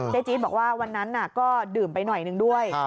จีจี๊ดบอกว่าวันนั้นก็ดื่มไปหน่อยหนึ่งด้วย